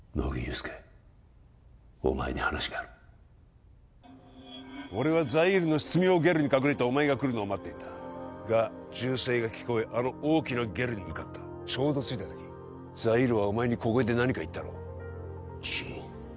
助お前に話がある俺はザイールの執務用ゲルに隠れてお前が来るのを待っていたが銃声が聞こえあの大きなゲルに向かったちょうど着いた時ザイールはお前に小声で何か言ったろ？